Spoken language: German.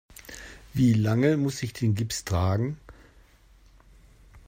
Wie lange muss ich den Gips tragen?